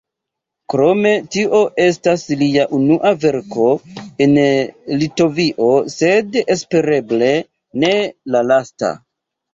Krome, tio estas lia unua verko en Litovio, sed, espereble, ne la lasta.